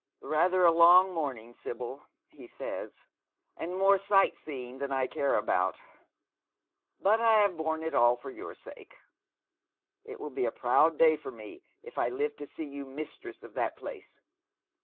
" llather a long morning, Sibyl," he says, "and more sight Beeing than I care about ; but I have borne it all for your sake. It will be a proud day for me if I live to see you mistress of tliat place.